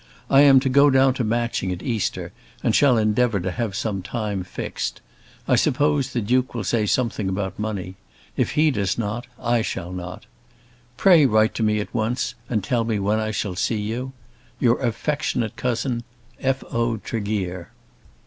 I am to go down to Matching at Easter, and shall endeavour to have some time fixed. I suppose the Duke will say something about money. If he does not, I shall not. Pray write to me at once, and tell me when I shall see you. Your affectionate Cousin, F. O. TREGEAR.